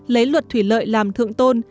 lấy luật thủy lợi làm thượng tôn